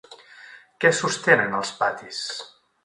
Què sostenen els patis?